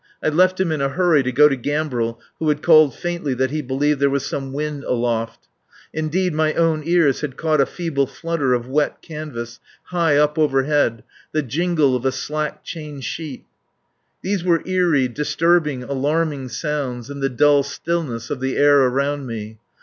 I left him in a hurry, to go to Gambril, who had called faintly that he believed there was some wind aloft. Indeed, my own ears had caught a feeble flutter of wet canvas, high up overhead, the jingle of a slack chain sheet. ... These were eerie, disturbing, alarming sounds in the dead stillness of the air around me.